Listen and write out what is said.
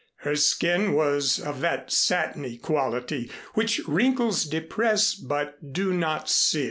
Her skin was of that satiny quality which wrinkles depress but do not sear.